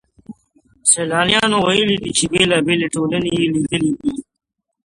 سيلانيانو ويلي دي چي بېلابېلې ټولني يې ليدلې دي.